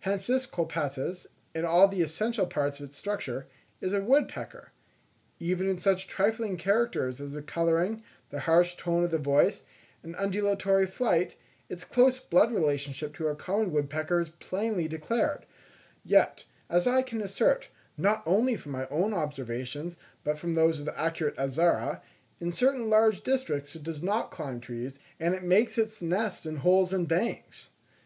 Hence this Colaptes, in all the essential parts of its structure, is a woodpecker. Even in such trifling characters as the colouring, the harsh tone of the voice, and undulatory flight, its close blood relationship to our common woodpecker is plainly declared; yet, as I can assert, not only from my own observations, but from those of the accurate Azara, in certain large districts it does not climb trees, and it makes its nest in holes in banks!